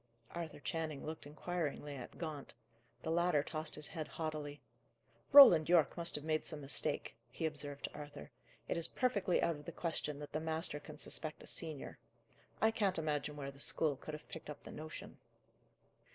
Arthur Channing looked inquiringly at Gaunt. The latter tossed his head haughtily. "Roland Yorke must have made some mistake," he observed to Arthur. "It is perfectly out of the question that the master can suspect a senior. I can't imagine where the school could have picked up the notion."